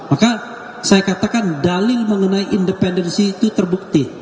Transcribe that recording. maka saya katakan dalil mengenai independensi itu terbukti